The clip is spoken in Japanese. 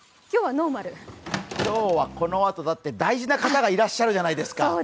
今日はこのあと大事な方がいらっしゃるじゃないですか！